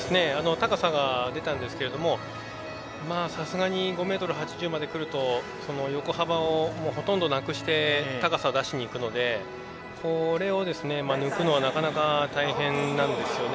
高さが出たんですけどさすがに、５ｍ８０までくると横幅をほとんどなくして高さを出しにいくのでこれを抜くのはなかなか大変なんですよね。